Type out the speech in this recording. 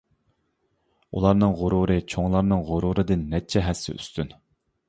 ئۇلارنىڭ غۇرۇرى چوڭلارنىڭ غۇرۇرىدىن نەچچە ھەسسە ئۈستۈن.